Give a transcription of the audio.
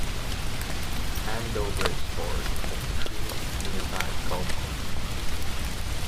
Andoversford has three nearby golf courses.